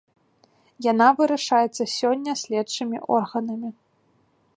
Яна вырашаецца сёння следчымі органамі.